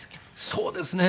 そうですね。